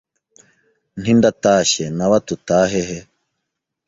" Nti ndatashye nawe ati utaha he